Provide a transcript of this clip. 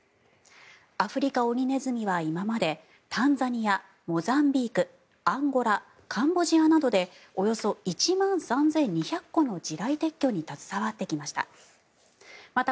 アフリカオニネズミは今までタンザニア、モザンビークアンゴラ、カンボジアなどでおよそ１万３２００個の地雷撤去に携わってきました。